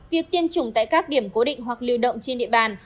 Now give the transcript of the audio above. việc tiêm chủng tại các điểm cố định hoặc lưu động trên địa bàn